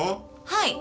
はい。